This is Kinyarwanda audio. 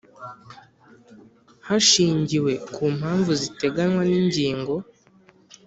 Hashingiwe ku mpamvu ziteganywa n ingingo